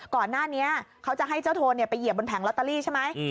ก่อนหน้านี้เขาจะให้เจ้าโทนไปเหยียบบนแผงลอตเตอรี่ใช่ไหม